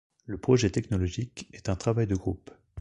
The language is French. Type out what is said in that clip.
Le projet technologique est un travail de groupe.